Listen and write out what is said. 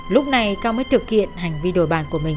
lúc này cao mới thực hiện hành vi đổi bản của mình